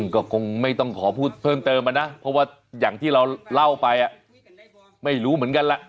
ก็คงไม่ต้องขอพูดเพิ่มเติมนะเพราะว่าอย่างที่เราเล่าไปไม่รู้เหมือนกันแหละ